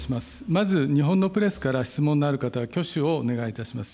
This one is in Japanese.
まず、日本のプレスから質問のある方は挙手をお願いいたします。